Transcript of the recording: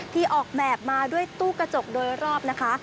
ที่ออกแบบมาด้วยตู้กระจกโดยรอบนะคะ